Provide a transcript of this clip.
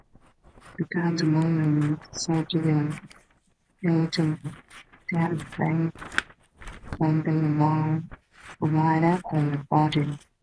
The Guatemalan soldiers halted their advance when they arrived at the border.